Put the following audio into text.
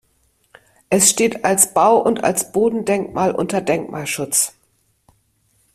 Es steht als Bau- und als Bodendenkmal unter Denkmalschutz.